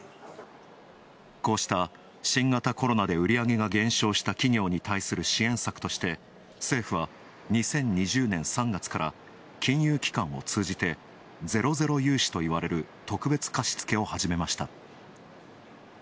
こうした新型コロナで売り上げが減少した企業に対する支援策として、政府は２０２０年３月から金融機関を通じて、ゼロゼロ融資といわれる特別貸付を始めました。